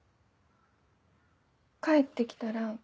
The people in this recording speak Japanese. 帰って来たら。